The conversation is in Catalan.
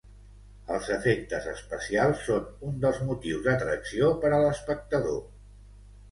Els efectes especials són un dels motius d'atracció per a l'espectador.